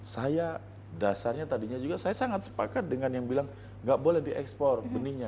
saya dasarnya tadinya juga saya sangat sepakat dengan yang bilang nggak boleh diekspor benihnya